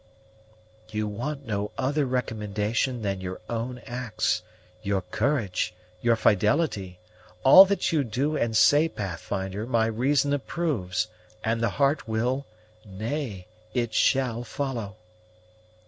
"You want no other recommendation than your own acts your courage, your fidelity. All that you do and say, Pathfinder, my reason approves, and the heart will, nay, it shall follow."